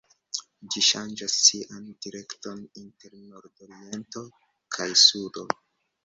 Ĝi ŝanĝas sian direkton inter nordoriento kaj sudo.